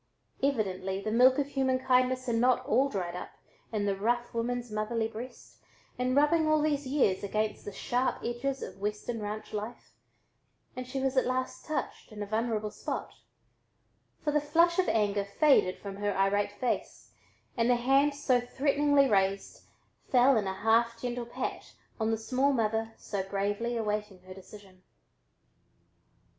Evidently the milk of human kindness had not all dried up in the rough woman's motherly breast in rubbing all these years against the sharp edges of Western ranch life and she was at last touched in a vulnerable spot, for the flush of anger faded from her irate face, and the hand so threateningly raised fell in a half gentle pat on the small mother so bravely awaiting her decision.